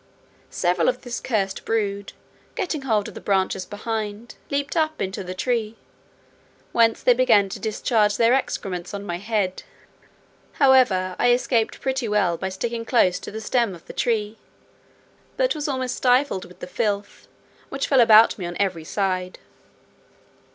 Several of this cursed brood, getting hold of the branches behind, leaped up into the tree, whence they began to discharge their excrements on my head; however, I escaped pretty well by sticking close to the stem of the tree, but was almost stifled with the filth, which fell about me on every side.